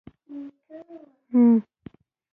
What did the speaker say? وروسته له ستونزو سره مخ شو.